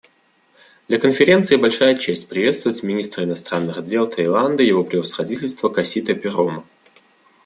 Для Конференции большая честь приветствовать министра иностранных дел Таиланда Его Превосходительство Касита Пирома.